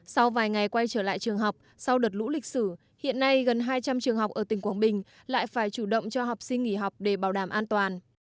sau vài ngày quay trở lại trường học sau đợt lũ lịch sử hiện nay gần hai trăm linh trường học ở tỉnh quảng bình lại phải chủ động cho học sinh nghỉ học để bảo đảm an toàn